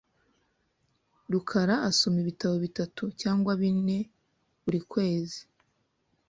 rukara asoma ibitabo bitatu cyangwa bine buri kwezi .